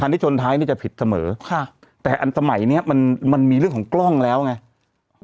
ที่ชนท้ายเนี่ยจะผิดเสมอค่ะแต่อันสมัยเนี้ยมันมันมีเรื่องของกล้องแล้วไง